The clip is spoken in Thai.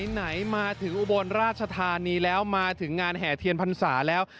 ไหนมาถึงอุบลราชธานีแล้วมาถึงงานแห่เทียนพรรษาแล้ว